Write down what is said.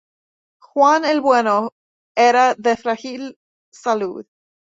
Juan el Bueno era de frágil salud.